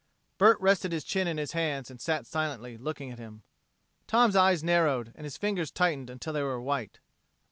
Bert rested his chin in his hands and sat silently, looking at him. Tom's eyes narrowed and his fingers tightened until they were white.